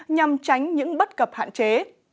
nhằm tránh những bất cập hạn chế